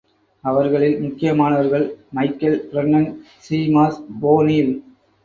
அவர்களில் முக்கியமானவர்கள் Michael Brennan, Seamus, O'Neill.